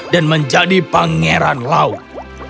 dan menjadi pangeran laut